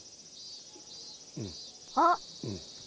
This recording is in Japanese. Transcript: あっ！